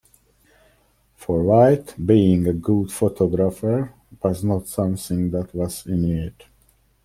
For White, being a good photographer was not something that was innate.